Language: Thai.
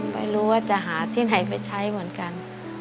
ไม่รู้ว่าจะหาที่ไหนไปใช้เหมือนกัน